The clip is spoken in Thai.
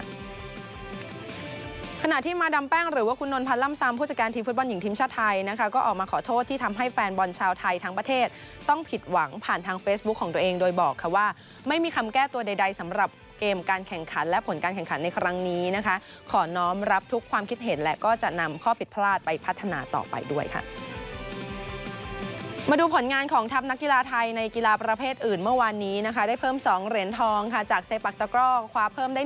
ด้วยค่ะขณะที่มาดามแป้งหรือว่าคุณนลพันร่ำซ้ำผู้จัดการทีมฟุตบอลหญิงทีมชาวไทยนะคะก็ออกมาขอโทษที่ทำให้แฟนบอลชาวไทยทั้งประเทศต้องผิดหวังผ่านทางเฟสบุ๊คของตัวเองโดยบอกค่ะว่าไม่มีคำแก้ตัวใดใดสำหรับเกมการแข่งขันและผลการแข่งขันในครั้งนี้นะคะขอน้องรับทุกคว